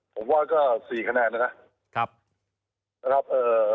ผมว่าก็๔แคนได้นะครับ